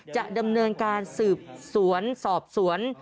จะดำเนินการสืบสวนสอบสวน